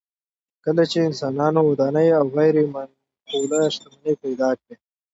کله چې انسانانو ودانۍ او غیر منقوله شتمني پیدا کړه